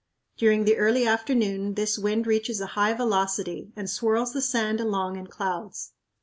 During the early afternoon this wind reaches a high velocity and swirls the sand along in clouds.